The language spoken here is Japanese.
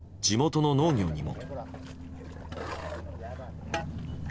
影響は、地元の農業にも。